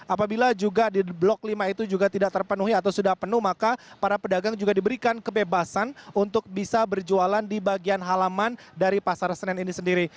apabila juga di blok lima itu juga tidak terpenuhi atau sudah penuh maka para pedagang juga diberikan kebebasan untuk bisa berjualan di bagian halaman dari pasar senen ini sendiri